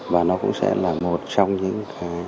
và nó cũng sẽ là một trong những cái